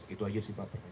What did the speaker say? itu saja sih pak